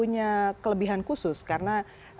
dengan kelebihan khusus karena